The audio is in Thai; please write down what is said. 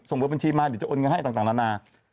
บนบัญชีมาเดี๋ยวจะโอนเงินให้ต่างนานา